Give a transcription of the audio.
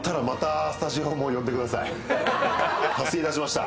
達成いたしました。